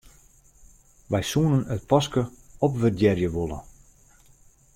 Wy soenen it paske opwurdearje wolle.